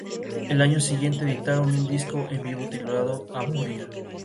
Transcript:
Su novela "Mamá Chon" no ha sido publicada.